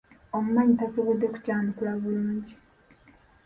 Omumanyi tasobodde kukyanukula bulungi.